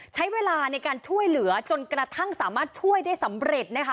ใช้เวลาในการช่วยเหลือจนกระทั่งสามารถช่วยได้สำเร็จนะคะ